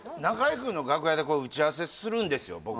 中居くんの楽屋で打ち合わせするんですよ